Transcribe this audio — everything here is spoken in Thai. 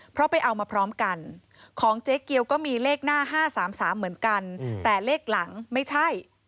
เพราะไปเอามาพร้อมกันของเจ๊เกียวก็มีเลขหน้า๕๓๓เหมือนกันแต่เลขหลังไม่ใช่